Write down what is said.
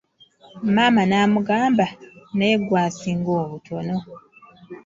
Maama n'amugamba, naye gwe asinga obutono!